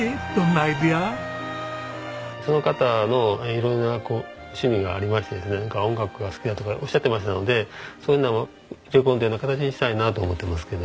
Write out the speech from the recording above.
その方の色々な趣味がありましてねなんか音楽が好きだとかおっしゃってましたのでそういうのを入れ込んだような形にしたいなと思ってますけど。